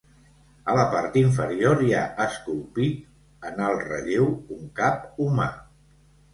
A la part inferior hi ha esculpit en alt relleu un cap humà.